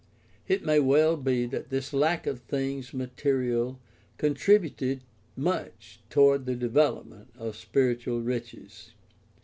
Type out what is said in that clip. It may well be that this lack of things material contributed much toward the development of spir itual riches.